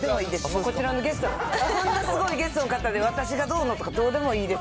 こちらのゲスト、こんなすごいゲストの方で、私がどうのとかどうでもいいです。